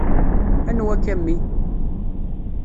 Anwa-k, a mmi?